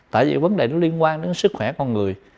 tại vì vấn đề nó liên quan đến sức khỏe con người